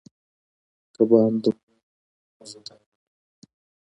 کبان دومره مزدار ووـ.